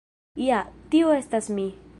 Ja, tiu estas mi.